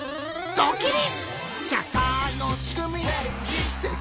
ドキリ！